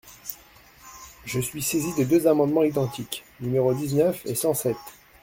Je suis saisie de deux amendements identiques, numéros dix-neuf et cent sept.